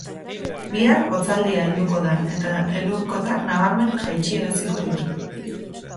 Bihar hotzaldia helduko da, eta elur-kotak nabarmen jaitsi-araziko ditu.